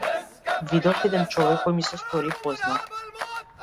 Видов еден човек кој ми се стори познат.